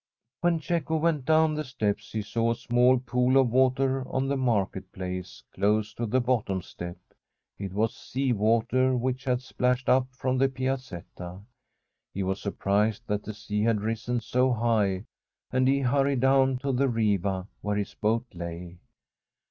When Cecco went down the steps, he saw a small pool of water on the Market Place close to the bottom step. It was sea water, which had splashed up from the Piazetta. He was surprised that the sea had risen so high, and he hurried down to the Riva, where his boat lay.